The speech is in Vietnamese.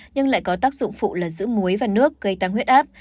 nhưng lại có tác dụng phụ là giữ muối và nước gây tăng huyết áp